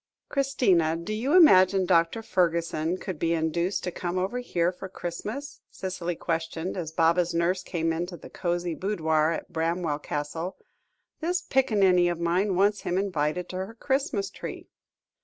"Christina, do you imagine Dr. Fergusson could be induced to come over here for Christmas?" Cicely questioned, as Baba's nurse came into the cosy boudoir at Bramwell Castle; "this picanniny of mine wants him invited to her Christmas tree."